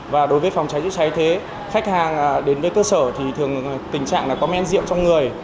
và đối với phòng cháy chữa cháy thế khách hàng đến với cơ sở thì thường tình trạng là có men rượu trong người